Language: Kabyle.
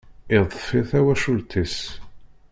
Iḍfi tawacult-is.